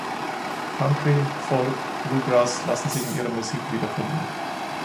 Country, Folk, Bluegrass lassen sich in ihrer Musik wiederfinden.